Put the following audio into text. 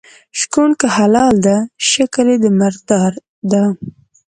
شکوڼ که حلال ده شکل یي د مردار ده.